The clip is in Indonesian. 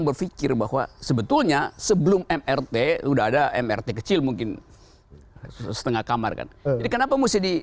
berpikir bahwa sebetulnya sebelum mrt udah ada mrt kecil mungkin setengah kamar kan jadi kenapa mesti di